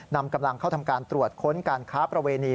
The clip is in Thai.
นำกำลังเข้าทำการตรวจค้นการค้าประเวณี